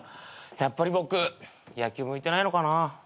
やっぱり僕野球向いてないのかな。